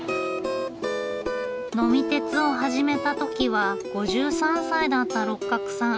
「呑み鉄」を始めた時は５３歳だった六角さん。